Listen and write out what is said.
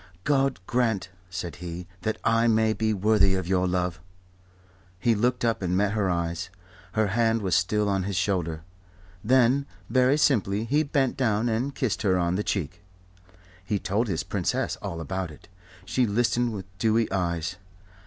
"God grant," said he, "that I may be worthy of your love." He looked up and met her eyes. Her hand was still on his shoulder. Then very simply he bent down and kissed her on the cheek. He told his Princess all about it. She listened with dewy eyes.